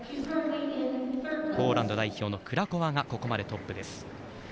ポーランド代表のクラコワがここまでトップです。